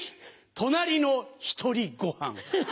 隣の１人ごはん」。